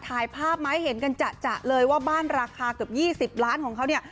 ถ่ายภาพมาให้เห็นกันจะเลยว่าบ้านราคาเกือบ๒๐ล้านของเขาเนี่ย